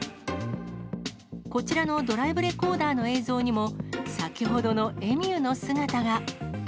こちらのドライブレコーダーの映像にも、先ほどのエミューの姿が。